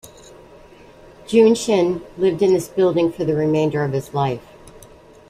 Junshin lived in this building for the remainder of his life.